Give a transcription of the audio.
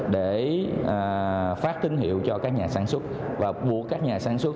để phát tín hiệu cho các nhà sản xuất và buộc các nhà sản xuất